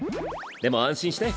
でも安心して。